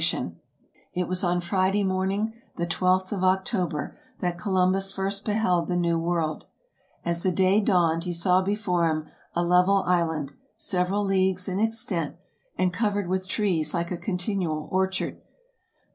VOL. VI. — 3 20 TRAVELERS AND EXPLORERS It was on Friday morning, the twelfth of October, that Columbus first beheld the New World. As the day dawned, he saw before him a level island, several leagues in extent, and covered with trees like a continual orchard.